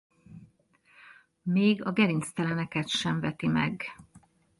Még a gerincteleneket sem veti meg.